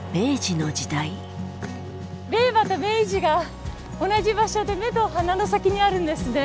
令和と明治が同じ場所で目と鼻の先にあるんですね。